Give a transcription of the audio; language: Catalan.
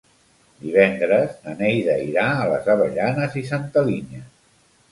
Divendres na Neida irà a les Avellanes i Santa Linya.